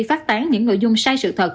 phát tán những nội dung sai sự thật